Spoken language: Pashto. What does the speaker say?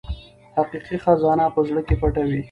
حقیقي خزانه په زړه کې پټه وي.